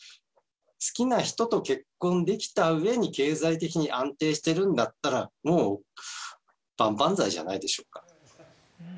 好きな人と結婚できたうえに経済的に安定してるんだったら、もう万々歳じゃないでしょうか。